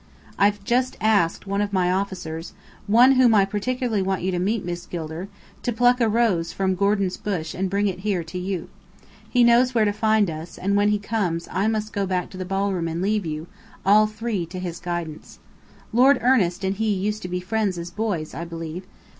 I've just asked one of my officers one whom I particularly want you to meet, Miss Gilder to pluck a rose from Gordon's bush and bring it to you here. He knows where to find us; and when he comes, I must go back to the ballroom and leave you all three to his guidance. Lord Ernest and he used to be friends as boys, I believe.